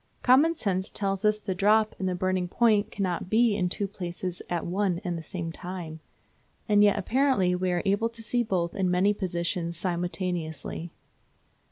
Common sense tells us the drop and the burning point cannot be in two places at one and the same time. And yet apparently we are able to see both in many positions simultaneously.